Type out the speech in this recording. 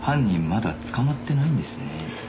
まだ捕まってないんですね。